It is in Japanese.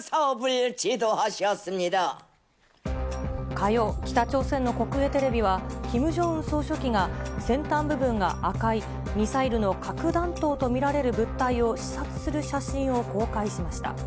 火曜、北朝鮮の国営テレビは、キム・ジョンウン総書記が、先端部分が赤いミサイルの核弾頭と見られる物体を視察する写真を公開しました。